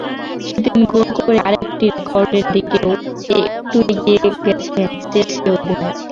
সেদিন গোল করে আরেকটি রেকর্ডের দিকেও একটু এগিয়ে গেছেন চেলসি অধিনায়ক।